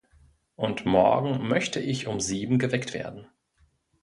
Und morgen möchte ich um sieben geweckt werden.